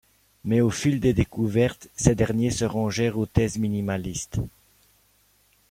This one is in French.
Mais au fil des découvertes, ces derniers se rangèrent aux thèses minimalistes.